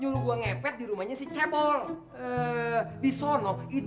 gimana guo ngendak disitu bisa gua avez mendarat